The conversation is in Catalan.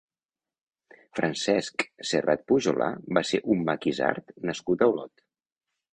Francesc Serrat Pujolar va ser un maquisard nascut a Olot.